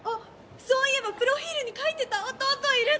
そういえばプロフィルに書いてた弟いるって！